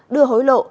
đưa hối lộ